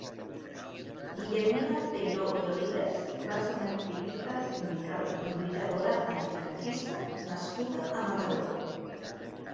Guillermina Peiró i Olives va ser una activista sindical i lluitadora antifranquista nascuda a Mataró.